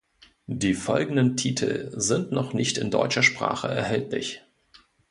Die folgenden Titel sind noch nicht in deutscher Sprache erhältlich.